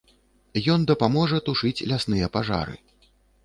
Ён дапаможа тушыць лясныя пажары.